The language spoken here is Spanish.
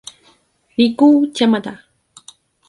Riku Yamada